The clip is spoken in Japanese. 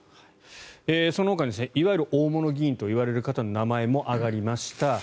そのほかにいわゆる大物議員といわれる方の名前も挙がりました。